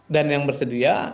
dan yang bersedia